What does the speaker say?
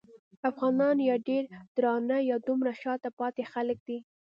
افغانان یا ډېر درانه یا دومره شاته پاتې خلک دي.